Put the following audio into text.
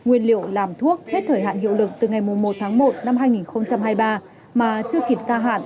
nguyên liệu làm thuốc hết thời hạn hiệu lực từ ngày một tháng một năm hai nghìn hai mươi ba mà chưa kịp gia hạn